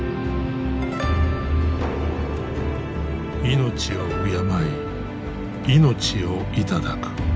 命を敬い命を頂く。